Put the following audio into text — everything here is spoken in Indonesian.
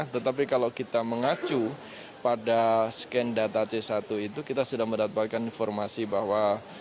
tetapi kalau kita mengacu pada scan data c satu itu kita sudah mendapatkan informasi bahwa